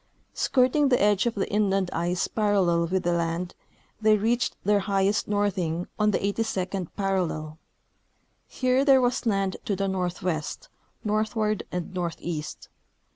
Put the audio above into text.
Skirting the edge of the inland ice parallel with the land, they reached their highest northing on the 82d parallel. Here there was land to the northwest, northward and northeast.